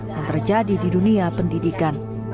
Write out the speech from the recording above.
yang terjadi di dunia pendidikan